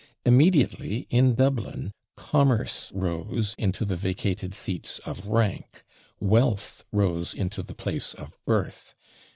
Immediately, in Dublin, commerce rose into the vacated seats of rank; wealth rose into the place of birth.